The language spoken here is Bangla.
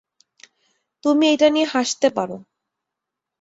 তুমি এটা নিয়ে হাসতে পারো।